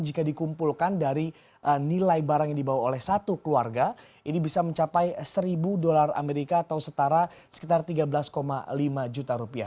jika dikumpulkan dari nilai barang yang dibawa oleh satu keluarga ini bisa mencapai seribu dolar amerika atau setara sekitar tiga belas lima juta rupiah